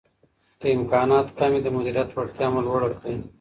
که امکانات کم وي د مديريت وړتيا مو لوړه کړئ.